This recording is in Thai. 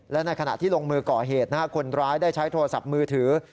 และในขณะที่ลงมือก่อเหตุคนร้ายได้ใช้โทรศัพท์มือถือ